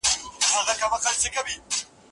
کاشکي ما خپل د پرون ورځې خوب ورته په تفصیل ویلی وای.